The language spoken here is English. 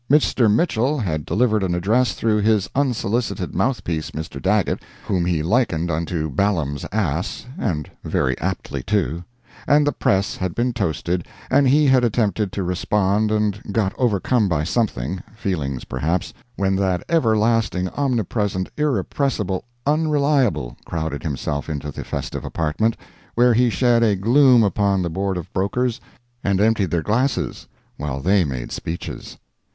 Mr. Mitchell had delivered an address through his unsolicited mouth piece, Mr. Daggett, whom he likened unto Baalam's ass—and very aptly too—and the press had been toasted, and he had attempted to respond and got overcome by something—feelings perhaps—when that ever lasting, omnipresent, irrepressible, "Unreliable" crowded himself into the festive apartment, where he shed a gloom upon the Board of Brokers, and emptied their glasses while they made speeches.